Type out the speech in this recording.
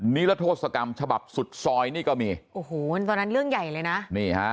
นิรโทษกรรมฉบับสุดซอยนี่ก็มีโอ้โหตอนนั้นเรื่องใหญ่เลยนะนี่ฮะ